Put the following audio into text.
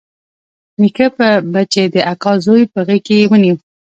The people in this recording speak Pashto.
نيکه به چې د اکا زوى په غېږ کښې ونيو.